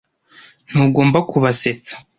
Ntugomba kubasetsa.